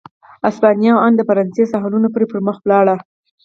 اسپانیا او ان د فرانسې ساحلونو پورې پر مخ ولاړ.